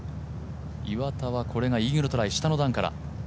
岩田はこれがイーグルトライ下の段から。